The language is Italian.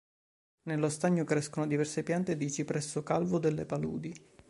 Nello stagno crescono diverse piante di cipresso calvo delle paludi.